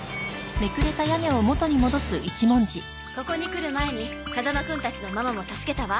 ここに来る前に風間くんたちのママも助けたわ。